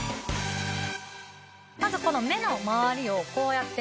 まずこの目の周りをこうやって。